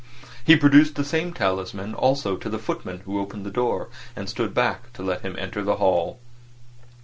He produced the same talisman also to the footman who opened the door, and stood back to let him enter the hall.